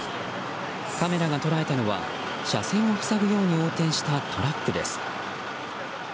カメラが捉えたのは車線を塞ぐように横転したトラックです。